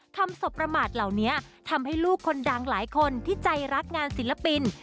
สบประมาทเหล่านี้ทำให้ลูกคนดังหลายคนที่ใจรักงานศิลปิน